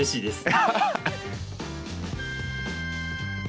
ハハハハ！